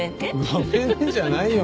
「ごめんね」じゃないよ。